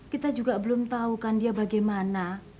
kita juga belum tahu kan dia bagaimana